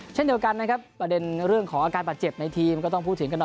เช่นเดียวกันนะครับประเด็นเรื่องของอาการบาดเจ็บในทีมก็ต้องพูดถึงกันหน่อย